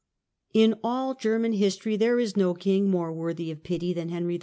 In all German history there is no king more worthy of pity than Henry IV.